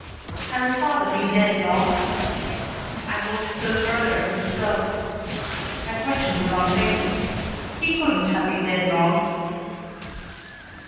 "Has his father been dead long?" I moved still further from the stove. My question was unthinking. He couldn't have been dead long.